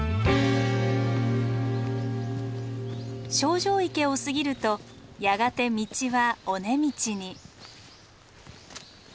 猩々池を過ぎるとやがて道は尾根道に。